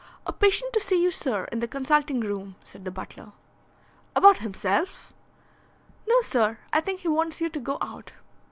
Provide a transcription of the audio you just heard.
"A patient to see you, sir, in the consulting room," said the butler. "About himself?" "No, sir; I think he wants you to go out."